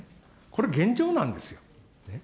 これ、現状なんですよ。